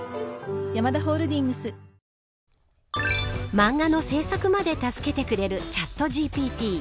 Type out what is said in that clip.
漫画の制作まで助けてくれるチャットＧＰＴ。